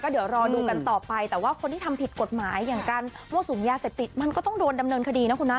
เดี๋ยวรอดูกันต่อไปแต่ว่าคนที่ทำผิดกฎหมายอย่างการมั่วสุมยาเสพติดมันก็ต้องโดนดำเนินคดีนะคุณนะ